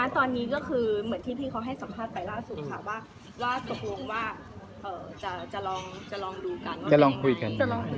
ตอนนี้ก็คือเหมือนที่พี่เขาให้สัมภาษณ์ไปล่าสุดค่ะว่าตกลงว่าจะลองดูกันว่าจะลองคุยกัน